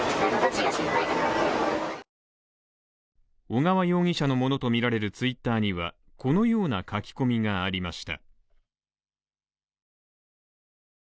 小川容疑者のものとみられるＴｗｉｔｔｅｒにはこのような書き込みがありました。